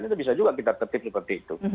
itu bisa juga kita tertip seperti itu